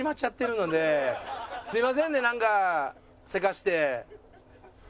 すいませんねなんか急かして。